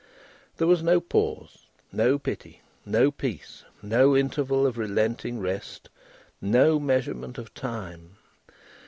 There was no pause, no pity, no peace, no interval of relenting rest, no measurement of time.